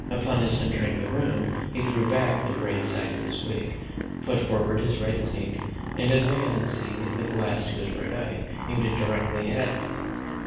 Upon his entering the room, he threw back the right side of his wig, put forward his right leg, and advancing the glass to his right eye, aimed it directly at me.